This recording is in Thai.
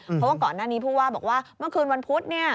เพราะว่าก่อนหน้านี้ผู้ว่าบอกว่าเมื่อคืนวันพุธเนี่ย